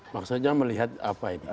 maksudnya melihat apa ini